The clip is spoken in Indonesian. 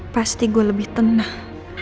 pasti gue lebih tenang